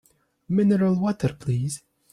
Mineral water please!